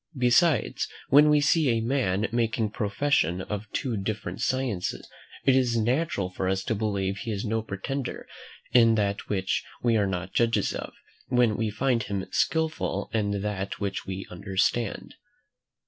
Besides, when we see a man making profession of two different sciences, it is natural for us to believe he is no pretender in that which we are not judges of, when we find him skilful in that which we understand.